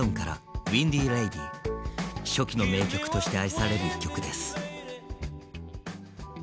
初期の名曲として愛される一曲です。